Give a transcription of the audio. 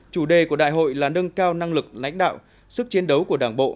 chủ đề của đại hội là nâng cao năng lực lãnh đạo sức chiến đấu của đảng bộ